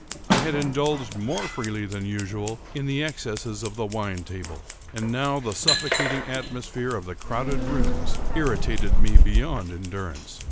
I had indulged more freely than usual in the excesses of the wine table; and now the suffocating atmosphere of the crowded rooms irritated me beyond endurance.